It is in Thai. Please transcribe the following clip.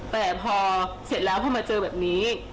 แต่พอเสร็จแล้วพอมาเจอแบบนี้